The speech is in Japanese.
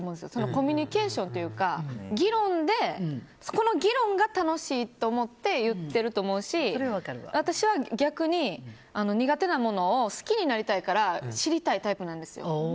コミュニケーションというかその議論が楽しいって思って言ってると思うし私は逆に苦手なものを好きになりたいから知りたいタイプなんですよ。